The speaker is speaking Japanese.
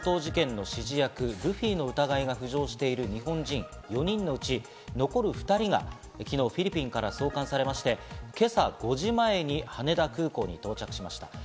連続強盗事件の指示役ルフィの疑いが浮上している日本人４人のうち、残る２人が昨日フィリピンから送還されまして、今朝５時前に羽田空港に到着しました。